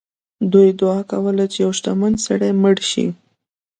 دوی دعا کوله چې یو شتمن سړی مړ شي.